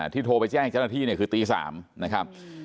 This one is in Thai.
โทรไปแจ้งเจ้าหน้าที่เนี่ยคือตี๓นะครับ